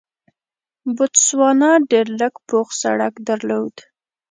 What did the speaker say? بوتسوانا ډېر لږ پوخ سړک درلود.